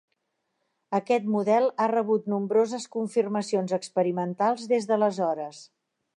Aquest model ha rebut nombroses confirmacions experimentals des d'aleshores.